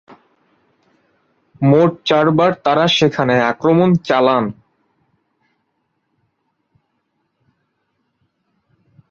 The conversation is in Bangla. মোট চারবার তারা সেখানে আক্রমণ চালান।